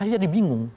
saya jadi bingung